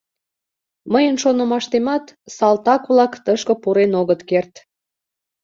Мыйын шонымаштемат, салтак-влак тышке пурен огыт керт.